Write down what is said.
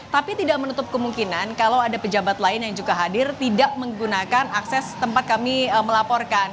tapi tidak menutup kemungkinan kalau ada pejabat lain yang juga hadir tidak menggunakan akses tempat kami melaporkan